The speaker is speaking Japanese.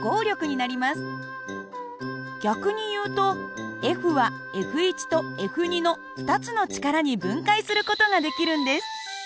逆に言うとＦはＦとＦの２つの力に分解する事ができるんです。